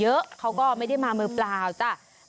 เอาดอกไม้ทุบเทียนมากระหว่าย